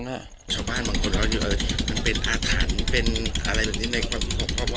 ชาวบ้านมันเป็นอาถรรค์ได้ไหมครับ